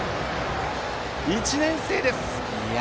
１年生です！